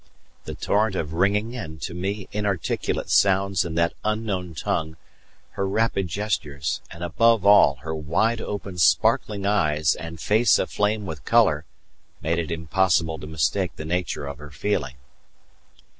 The torrent of ringing and to me inarticulate sounds in that unknown tongue, her rapid gestures, and, above all, her wide open sparkling eyes and face aflame with colour made it impossible to mistake the nature of her feeling.